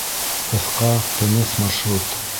Ҡыҫҡа, тыныс маршрут.